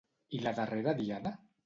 I la darrera diada?